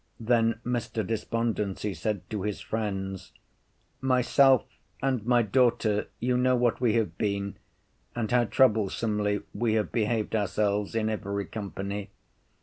Then Mr. Despondency said to his friends, Myself and my daughter, you know what we have been, and how troublesomely we have behaved ourselves in every company.